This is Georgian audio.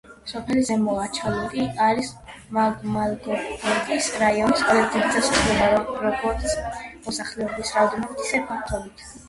სოფელი ზემო აჩალუკი არის მალგობეკის რაიონის ყველაზე დიდი დასახლება, როგორც მოსახლეობის რაოდენობით, ისე ფართობით.